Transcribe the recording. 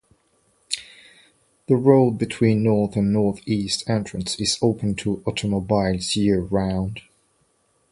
The road between the North and Northeast entrances is open to automobiles year-round.